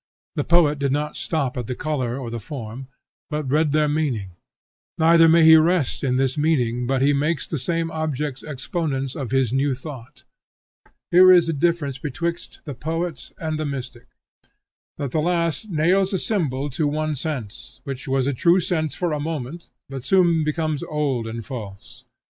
The poet did not stop at the color or the form, but read their meaning; neither may he rest in this meaning, but he makes the same objects exponents of his new thought. Here is the difference betwixt the poet and the mystic, that the last nails a symbol to one sense, which was a true sense for a moment, but soon becomes old and false.